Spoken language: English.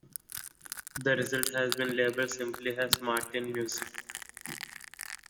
The result has been labeled simply as Martin Music.